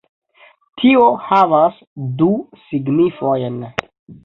Tio havas du signifojn